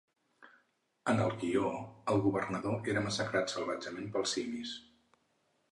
En el guió, el governador era massacrat salvatgement pels simis.